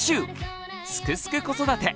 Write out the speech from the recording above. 「すくすく子育て」